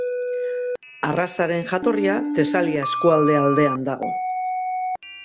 Arrazaren jatorria Tesalia eskualde aldean dago.